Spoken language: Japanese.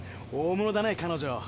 大物だね彼女。